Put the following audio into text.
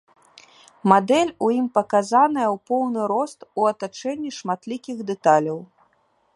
Мадэль у ім паказаная ў поўны рост у атачэнні шматлікіх дэталяў.